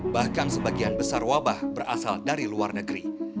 bahkan sebagian besar wabah berasal dari luar negeri